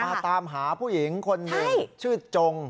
ตามหาผู้หญิงคนหนึ่งชื่อจง